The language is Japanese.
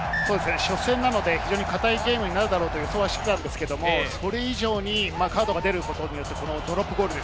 初戦なので、硬いゲームになるだろうというのはあるんですけれど、それ以上にカードが出ることによってドロップゴール。